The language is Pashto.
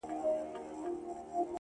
گراني چي د ټول كلي ملكه سې-